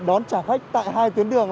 đón chào khách tại hai tuyến đường